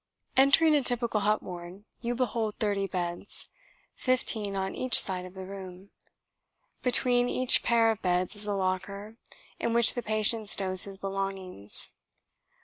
Entering a typical hut ward you behold thirty beds, fifteen on each side of the room. Between each pair of beds is a locker in which the patient stows his belongings.